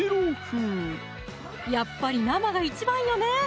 やっぱり生が一番よね